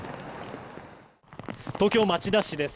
東京・町田市です。